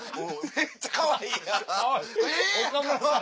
めっちゃかわいいええやんか。